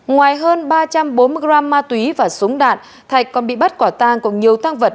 ngoài hơn ba trăm bốn mươi gram ma túy và súng đạn thạch còn bị bắt quả tang